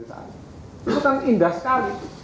itu kan indah sekali